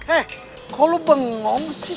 eh kok lu bengong sih